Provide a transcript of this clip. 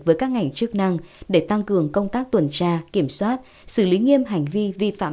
với các ngành chức năng để tăng cường công tác tuần tra kiểm soát xử lý nghiêm hành vi vi phạm